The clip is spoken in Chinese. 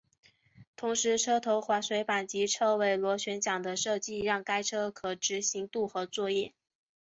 同时车头滑水板及车尾螺旋桨的设计让该车可执行渡河作业。